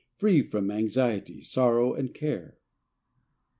Free from anxiety, sorrow, and care!